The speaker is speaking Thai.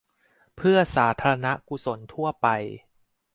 เพื่อสาธารณกุศลทั่วไป